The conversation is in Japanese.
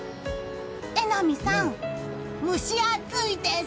榎並さん、蒸し暑いです。